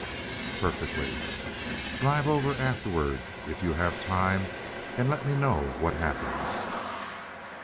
"Perfectly." "Drive over afterward if you have time and let me know what happens."